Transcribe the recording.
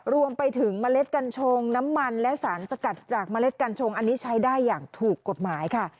รวมไปถึงเมล็ดกัญชงน้ำมันและสารสกัดจากเมล็ดกัญชงอันนี้ใช้ได้อย่างถูกกฎหมายค่ะ